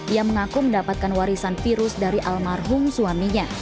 ia mengaku mendapatkan warisan virus dari almarhum suaminya